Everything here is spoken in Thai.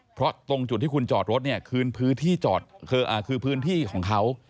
เพราะตรงจุดที่คุณจอดรถเนี่ยคือพื้นที่ของเขา